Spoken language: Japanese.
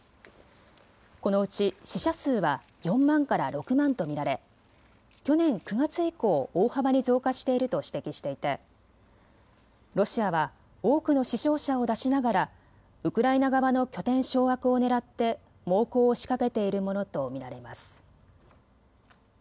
このうち死者数は４万から６万と見られ去年９月以降、大幅に増加していると指摘していてロシアは多くの死傷者を出しながらウクライナ側の拠点掌握をねらって猛攻を仕掛けているものと見られます。